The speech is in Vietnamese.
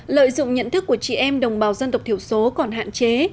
lợi dụng nhận thức của chị em đồng bào dân tộc thiểu số còn hạn chế